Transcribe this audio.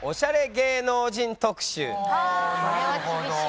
これは厳しい。